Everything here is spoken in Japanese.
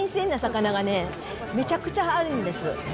もう新鮮な魚がね、めちゃくちゃあるんです。